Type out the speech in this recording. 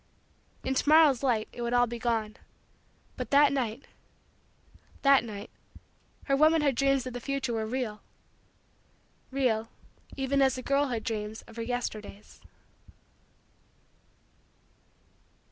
In to morrow's light it would all be gone, but that night that night her womanhood dreams of the future were real real even as the girlhood dreams of her Yesterdays.